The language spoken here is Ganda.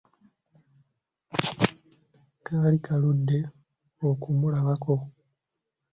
Kaali kaludde okumulabako!